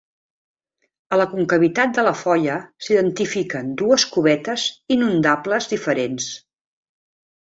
A la concavitat de la Foia s'identifiquen dues cubetes inundables diferents.